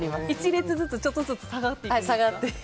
１列ずつちょっとずつ下がっていくんですね。